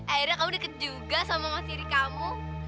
akhirnya kamu deket juga sama mas siri kamu